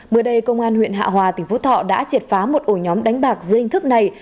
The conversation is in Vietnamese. mới đây công an huyện hạ hòa tỉnh phú thọ đã triệt phá một ổ nhóm đánh bạc dưới hình thức này